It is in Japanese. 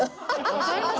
わかります。